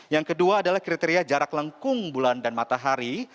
yang kedua adalah kriteria jarak lengkung bulan dan matahari